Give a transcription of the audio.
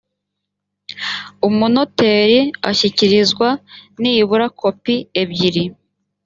umunoteri ashyikirizwa nibura kopi ebyiri